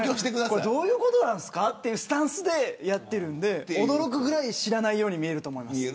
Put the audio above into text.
これどういうことですかというスタンスでやっていくので驚くほど知らないように見えると思います。